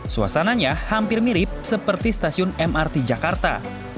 suasananya hampir mirip seperti stasiun mrt jakarta